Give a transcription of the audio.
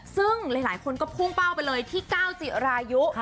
ซึ่งหลายคนก็พุ่งเป้าไปเลยที่ก้าวจิรายุ